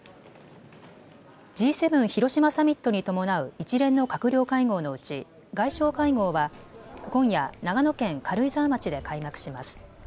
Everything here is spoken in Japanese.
Ｇ７広島サミットに伴う一連の閣僚会合のうち外相会合は今夜、長野県軽井沢町で開幕します。